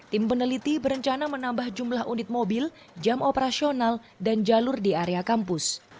tim peneliti berencana menambah jumlah unit mobil jam operasional dan jalur di area kampus